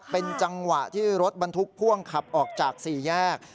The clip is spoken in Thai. เป็นจังหวะที่รถบรรทุกพ่วงขับออกจากสี่แยก